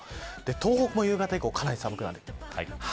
東北も夕方以降かなり寒くなる。